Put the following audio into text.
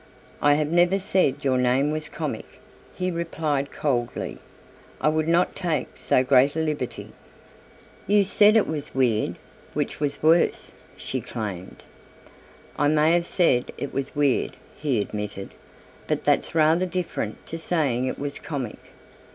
"I have never said your name was comic," he replied coldly; "I would not take so great a liberty." "You said it was 'weird' which was worse," she claimed. "I may have said it was 'weird,"' he admitted, "but that's rather different to saying it was 'comic.'